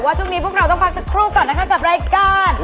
ช่วงนี้พวกเราต้องพักสักครู่ก่อนนะคะกับรายการ